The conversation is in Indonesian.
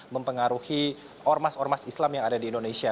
mempengaruhi ormas ormas islam yang ada di indonesia